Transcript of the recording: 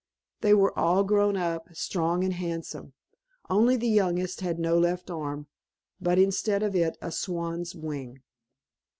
They were all grown up, strong and handsome; only the youngest had no left arm, but instead of it a swan's wing.